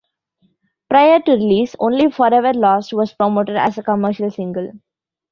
Prior to release, only "Forever Lost" was promoted as a commercial single.